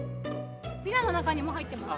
ピザの中にも入ってます。